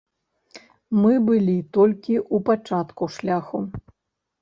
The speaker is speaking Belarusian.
Мы былі толькі ў пачатку шляху.